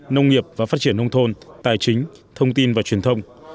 nông nghiệp và phát triển nông thôn tài chính thông tin và truyền thông